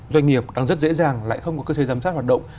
doanh nghiệp đang rất dễ dàng lại không có cơ chế giám sát hoạt động